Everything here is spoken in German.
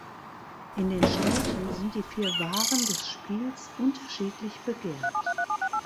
In den Städten sind die vier Waren des Spiels unterschiedlich begehrt.